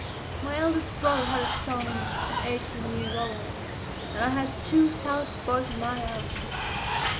My eldest brother had a son eighteen years old, and I had two stout boys of my own.